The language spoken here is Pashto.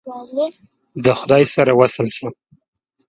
د خدای سره وصل ښه !